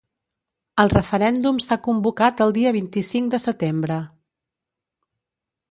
El referèndum s’ha convocat el dia vint-i-cinc de setembre.